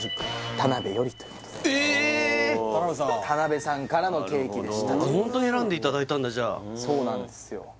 田辺さんからのケーキでしたホントに選んでいただいたんだそうなんですよ